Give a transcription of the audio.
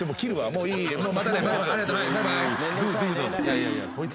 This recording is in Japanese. いやいやこいつ。